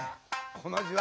この字は。